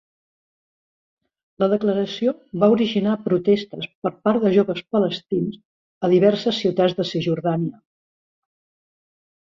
La declaració va originar protestes per part de joves palestins a diverses ciutats de Cisjordània.